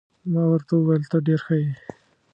ما ورته وویل: ته ډېر ښه يې.